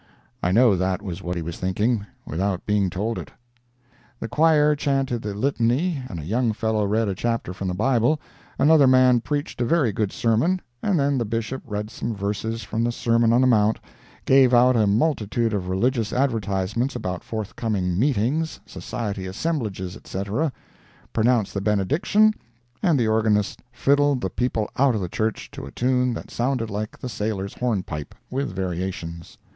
I know that was what he was thinking, without being told it. The choir chanted the Litany, and a young fellow read a chapter from the Bible, another man preached a very good sermon, and then the Bishop read some verses from the Sermon on the Mount, gave out a multitude of religious advertisements about forthcoming meetings, Society assemblages, etc., pronounced the Benediction and the organist fiddled the people out of the church to a tune that sounded like the Sailor's Hornpipe, with variations.